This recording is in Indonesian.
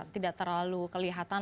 tidak terlalu kelihatan